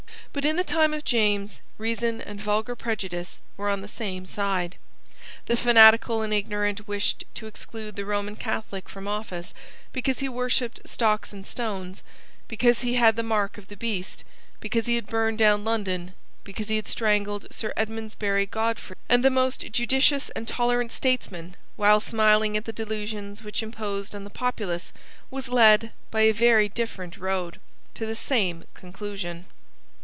But in the time of James reason and vulgar prejudice were on the same side. The fanatical and ignorant wished to exclude the Roman Catholic from office because he worshipped stocks and stones, because he had the mark of the Beast, because he had burned down London, because he had strangled Sir Edmondsbury Godfrey; and the most judicious and tolerant statesman, while smiling at the delusions which imposed on the populace, was led, by a very different road, to the same conclusion.